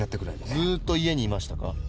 ずっと家にいましたか？